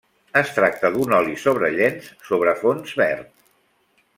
Es tracta d'un oli sobre llenç sobre fons verd.